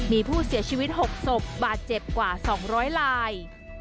มีผู้เสียชีวิต๖ศพบาดเจ็บกว่า๒๐๐ลาย